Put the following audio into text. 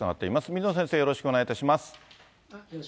水野先生、よろしくお願いいたします。